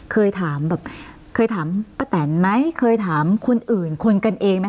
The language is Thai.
เคยถามแบบเคยถามป้าแตนไหมเคยถามคนอื่นคนกันเองไหม